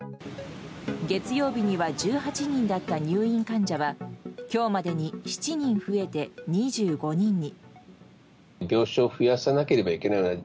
月曜日には１８人だった入院患者は今日までに７人増えて２５人に。